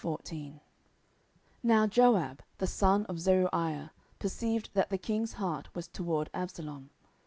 10:014:001 Now Joab the son of Zeruiah perceived that the king's heart was toward Absalom.